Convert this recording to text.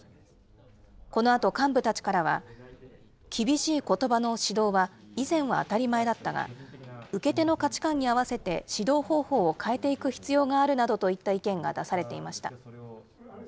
このあと幹部たちからは、厳しいことばの指導は以前は当たり前だったが、受け手の価値観に合わせて指導方法を変えていく必要があるなどといった意見が出されていました。